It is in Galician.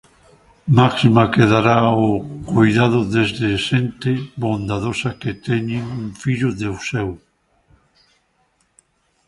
Maxina quedará ao coidado desa xente bondadosa que teñen un fillo de seu.